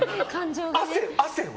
汗は？